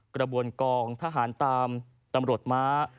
กระบวนกองทหารตามตำรวจม้า